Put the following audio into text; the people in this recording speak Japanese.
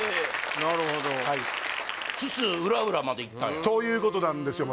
なるほど津々浦々まで行ったんや？ということなんですよ